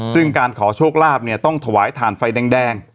ซึ่งการขอโชคลาภเนี่ยต้องถวายถ่านไฟแดง